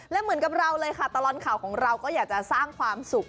และเหมือนกับเราเลยค่ะตลอดข่าวของเราก็อยากจะสร้างความสุข